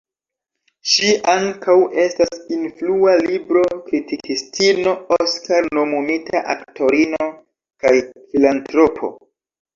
Ŝi ankaŭ estas influa libro-kritikistino, Oskar-nomumita aktorino, kaj filantropo.